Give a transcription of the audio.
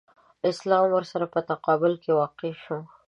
اسلام ورسره په تقابل کې واقع شو.